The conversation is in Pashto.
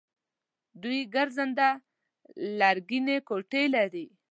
دوی ګرځنده لرګینې کوټې لري.